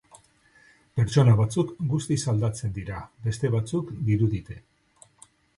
Pertsona batzuk guztiz aldatzen dira, beste batzuk dirudite.